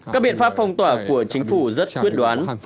các biện pháp phong tỏa của chính phủ rất quyết đoán